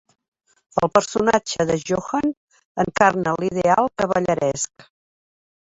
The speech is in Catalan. El personatge de Johan encarna l'ideal cavalleresc.